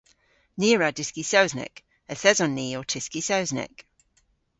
Ni a wra dyski Sowsnek. Yth eson ni ow tyski Sownsnek.